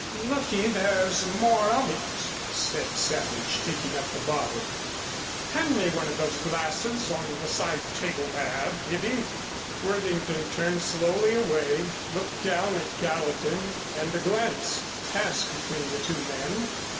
"Lucky there's more of it," said Savage, taking up the bottle. "Hand me one of those glasses on the side table there, Bibby." Worthington turned slowly away, looked down at Gallatin and a glance passed between the two men.